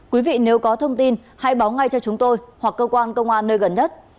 quý vị nếu có thông tin hãy báo ngay cho chúng tôi hoặc cơ quan công an nơi gần nhất